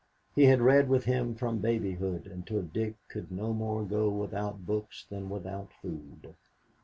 He had read with him from babyhood until Dick could no more go without books than without food.